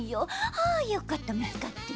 ああよかったみつかって。